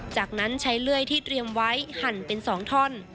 จากนั้นใช้เลื่อยที่เตรียมไว้หั่นเป็น๒ท่อน